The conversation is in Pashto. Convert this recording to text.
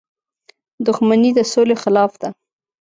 • دښمني د سولې خلاف ده.